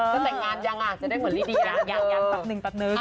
แต่แต่งงานยังอ่ะจะได้เหมือนลิดีละ